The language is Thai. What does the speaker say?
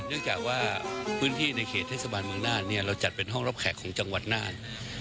เนื่องจากว่าพื้นที่ในเขตเทศบาลเมืองน่านเนี่ยเราจัดเป็นห้องรับแขกของจังหวัดน่าน